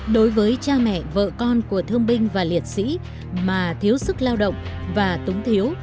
đối với cha mẹ vợ con của thương binh và liệt sĩ mà thiếu sức lao động và túng thiếu